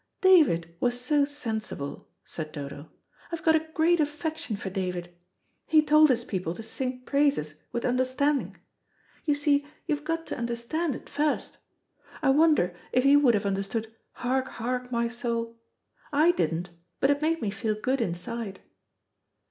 "David was so sensible," said Dodo. "I've got a great affection for David. He told his people to sing praises with understanding. You see you've got to understand it first. I wonder if he would have understood 'Hark, hark, my soul!' I didn't, but it made me feel good inside."